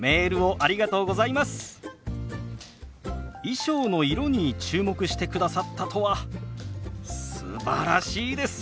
衣装の色に注目してくださったとはすばらしいです！